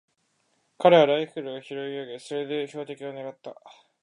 彼はライフルを拾い上げ、それで標的をねらった。